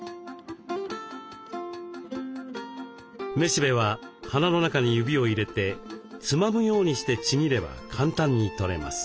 雌しべは花の中に指を入れてつまむようにしてちぎれば簡単にとれます。